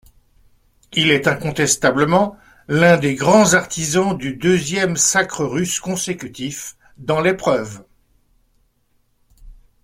Il est incontestablement l'un des grands artisans du deuxième sacre russe consécutif dans l'épreuve.